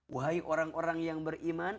wahai orang orang yang beriman